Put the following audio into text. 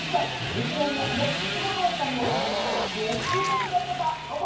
富士宮市のいちご農家にお嫁にきて５０年になりました。